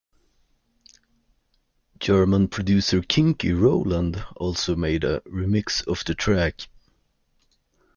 German producer Kinky Roland also made a remix of the track.